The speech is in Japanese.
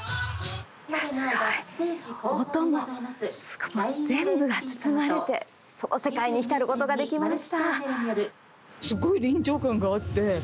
すごい！音も全部が包まれてその世界に浸ることができました。